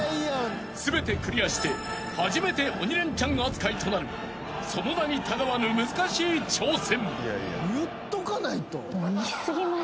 ［全てクリアして初めて鬼レンチャン扱いとなるその名にたがわぬ難しい挑戦］